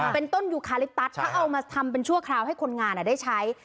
เป็นต้นยูคาลิปตัสถ้าเอามาทำเป็นชั่วคราวให้คนงานได้ใช้